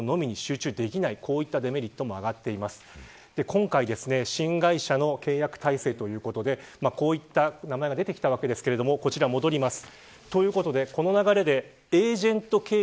今回、新会社の契約体制ということでこういった名前が出てきたわけですがこちら、戻ります。